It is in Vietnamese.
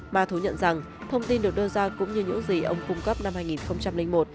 ma thú nhận rằng thông tin được đưa ra cũng như những gì ông cung cấp năm hai nghìn một